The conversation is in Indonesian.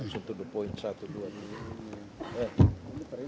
setuju poin satu dua tiga lima